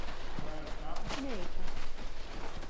Neika.